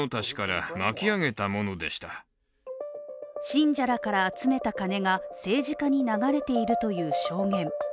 信者らから集めた金が政治家に流れているという証言。